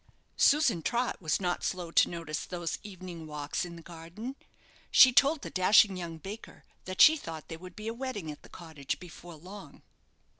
Susan Trott was not slow to notice those evening walks in the garden. She told the dashing young baker that she thought there would be a wedding at the cottage before long.